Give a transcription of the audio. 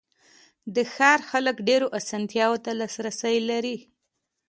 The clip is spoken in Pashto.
د ښار خلک ډېرو آسانتیاوو ته لاسرسی لري.